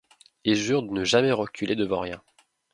Et jure de ne jamais reculer devant rien.